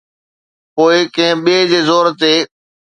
پوءِ ڪنهن ٻئي جي زور تي.